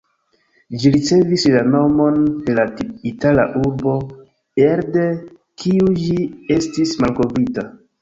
Ĝi ricevis la nomon de la itala urbo, elde kiu ĝi estis malkovrita.